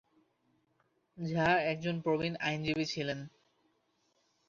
ঝা একজন প্রবীণ আইনজীবী ছিলেন।